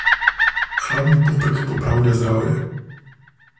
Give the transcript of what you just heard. Hladen popek popravlja zdravje.